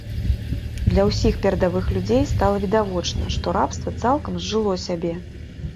Для ўсіх перадавых людзей стала відавочна, што рабства цалкам зжыло сябе.